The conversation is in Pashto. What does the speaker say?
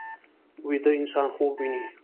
ویده انسان خوب ویني